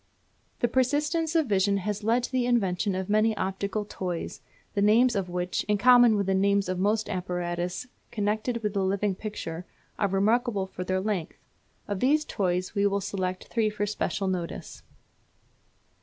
The persistence of vision has led to the invention of many optical toys, the names of which, in common with the names of most apparatus connected with the living picture, are remarkable for their length. Of these toys we will select three for special notice.